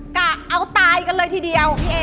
กะเอาตายกันเลยทีเดียวพี่เอ